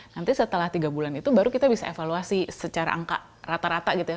nanti setelah tiga bulan itu baru kita bisa evaluasi secara angka rata rata gitu ya